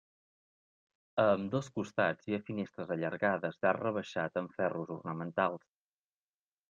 A ambdós costats hi ha finestres allargades d'arc rebaixat amb ferros ornamentals.